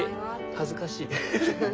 恥ずかしい？